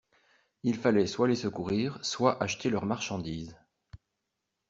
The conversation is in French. Il fallait soit les secourir, soit acheter leurs marchandises.